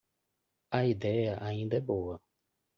A ideia ainda é boa.